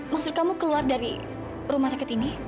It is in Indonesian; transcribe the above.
maksud kamu keluar dari rumah sakit ini